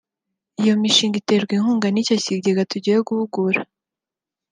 iyo mishinga iterwa inkunga n’icyo kigega tugiye guhugura